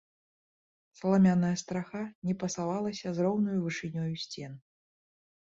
Саламяная страха не пасавалася з роўнаю вышынёю сцен.